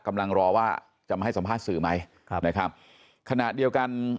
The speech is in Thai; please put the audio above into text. กำลังรอว่าจะมาให้สัมภาษณ์สื่อไหมครับนะครับขณะเดียวกัน